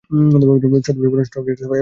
শতাব্দী পুরোনো স্টকইয়ার্ডস এবং কসাইখানা।